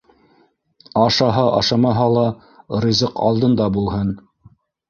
Ашаһа- ашамаһа ла, ризыҡ алдында булһын.